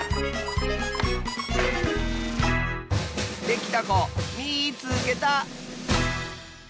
できたこみいつけた！